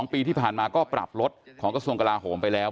ปีที่ผ่านมาก็ปรับลดของกระทรวงกลาโหมไปแล้ว